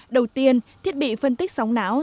đầu tiên thiết bị phân tích sóng não